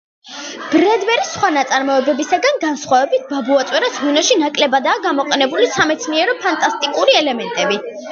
ბრედბერის სხვა ნაწარმოებებისგან განსხვავებით, „ბაბუაწვერას ღვინოში“ ნაკლებადაა გამოყენებული სამეცნიერო-ფანტასტიკური ელემენტები.